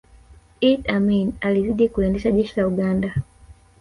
iddi amini alizidi kuliendesha jeshi la uganda